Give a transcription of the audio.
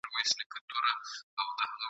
زه به ولي هر پرهار ته په سینه کي خوږېدلای ..